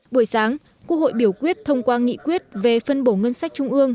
buổi sáng quốc hội biểu quyết thông qua nghị quyết về phân bổ ngân sách trung ương